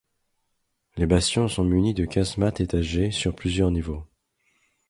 Les bastions sont munis de casemates étagées sur plusieurs niveaux.